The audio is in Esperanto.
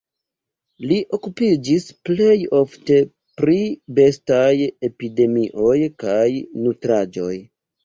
Li okupiĝis plej ofte pri bestaj epidemioj kaj nutraĵoj.